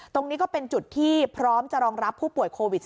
ตรงนี้ก็เป็นจุดที่พร้อมจะรองรับผู้ป่วยโควิด๑๙